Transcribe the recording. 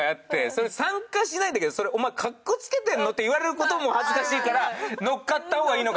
それ参加しないんだけどそれお前格好付けんの？って言われる事も恥ずかしいからのっかった方がいいのか？